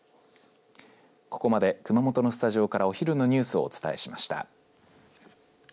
ここまで熊本のスタジオからお昼のニュースをお伝えしました。